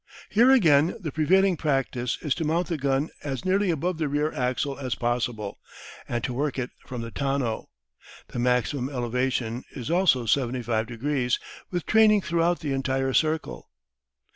Here again the prevailing practice is to mount the gun as nearly above the rear axle as possible, and to work it from the tonneau. The maximum elevation is also 75 degrees, with training throughout the entire circle.